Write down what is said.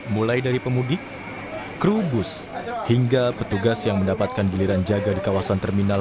mulai dari pemudik kru bus hingga petugas yang mendapatkan giliran jaga di kawasan terminal